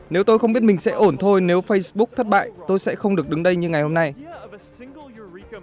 nếu tôi không biết mình sẽ ổn thôi nếu facebook thất bại tôi sẽ không được đứng đây như ngày hôm nay